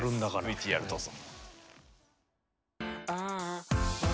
ＶＴＲどうぞ。